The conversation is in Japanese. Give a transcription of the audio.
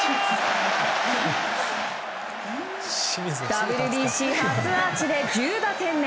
ＷＢＣ初アーチで１０打点目。